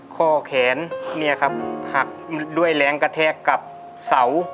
ข้อแขนเนี่ยครับหักด้วยแรงกระแทกกับเสา